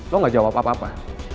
lo gak jawab apa apa